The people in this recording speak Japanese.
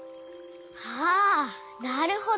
ああなるほど！